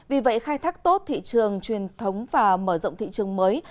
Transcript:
vì vậy khai thác tốt thị trường truyền thống và mở rộng thị trường mới